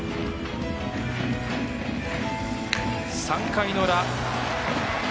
３回の裏。